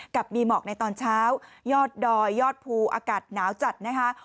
กับมีหมอกในตอนเช้ายอดดอยยอดภูอากาศหนาวจัดนะคะ